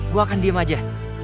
gue akan diem aja